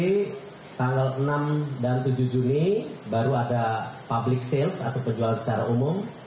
nanti tanggal enam dan tujuh juni baru ada public sales atau penjualan secara umum